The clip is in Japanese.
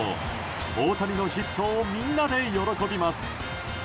大谷のヒットをみんなで喜びます。